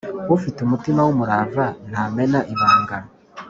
ufite umutima w’umurava ntamena ibanga